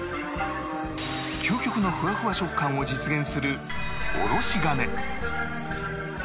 究極のふわふわ食感を実現するおろし金